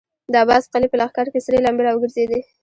د عباس قلي په لښکر کې سرې لمبې را وګرځېدې.